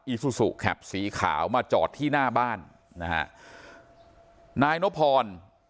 ซูซูแคปสีขาวมาจอดที่หน้าบ้านนะฮะนายนพร